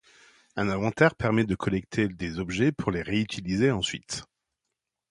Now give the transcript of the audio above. Un inventaire permet de collecter des objets pour les réutiliser ensuite.